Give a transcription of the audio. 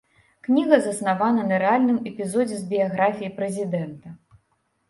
Кніга заснавана на рэальным эпізодзе з біяграфіі прэзідэнта.